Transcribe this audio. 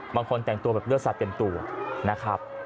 บางคนแต่งตัวแบบเลือดสัตว์เต็มตัวนะครับ